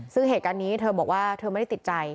ซึ่งเหตุการณ์นี้เธอบอกว่าเธอไม่ได้ติดใจ